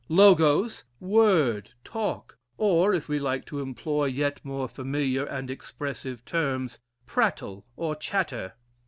Logos, word, talk or, if we like to employ yet more familiar and expressive terms, prattle or chatter.